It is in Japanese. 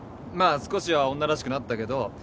まあ少しは女らしくなったけど。